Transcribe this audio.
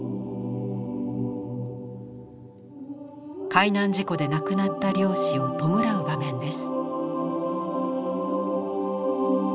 海難事故で亡くなった漁師を弔う場面です。